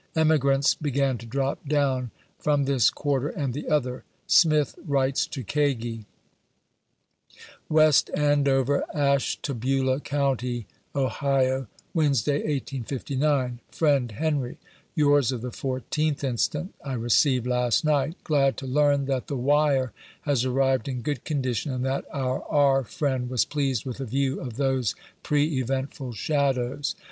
Emigrants began to drop down, from this quarter and the other. Smith writes to Kagi :— West Andoveh, Ashtabula Co., 0., Wednesday, 1859.. Friend Hexrie, — Yours of the 14th inst. I received last night — giad to learn that the " Wire'' has arrived in good condition, and that our " R" friend was pleased with a view of those " prc evcntful shadows."